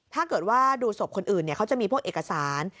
ถ้าเกิดว่าดูศพคนอื่นเขาจะมีพวกเอกสาร